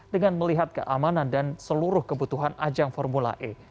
dengan melihat keamanan dan seluruh kebutuhan ajang formula e